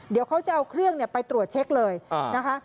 เดี๋ยวเขาจะเอาเครื่องไปตรวจเช็คเลยนะคะ